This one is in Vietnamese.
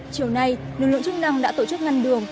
chiều nay lực lượng chức năng đã tổ chức ngăn đường